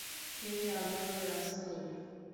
হে আল্লাহর রাসূল!